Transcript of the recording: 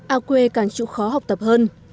ao quê càng chịu khó học tập hơn